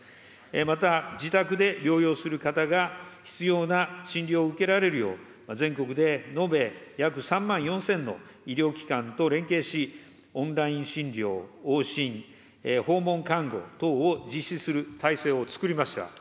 また、自宅で療養する方が必要な診療を受けられるよう、全国で延べ約３万４０００の医療機関と連携し、オンライン診療、往診、訪問看護等を実施する体制をつくりました。